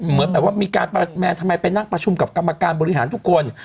เหมือนแบบว่ามีการแมนทำไมไปนั่งประชุมกับกรรมการบริหารทุกคน